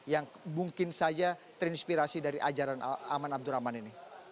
yang mungkin saja terinspirasi dari ajaran aman abdurrahman ini